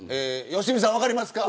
良純さん、分かりますか。